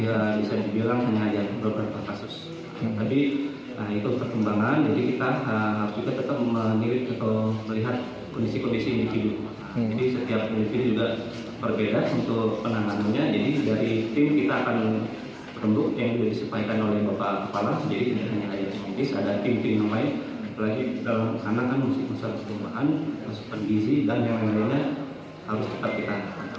hanya ada yang kompis ada tim krim lain lagi dalam kanan kan musim besar perubahan